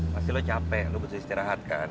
pasti lo capek lo butuh istirahat kan